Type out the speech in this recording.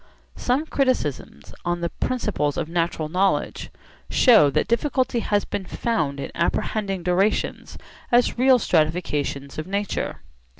Some criticisms on 'The Principles of Natural Knowledge' show that difficulty has been found in apprehending durations as real stratifications of nature.